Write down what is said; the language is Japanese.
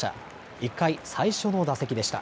１回、最初の打席でした。